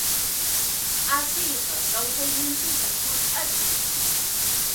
Asiyqa kawsayninchista hunt'achin.